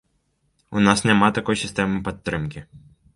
У нас няма такой сістэмы падтрымкі.